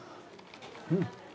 うん！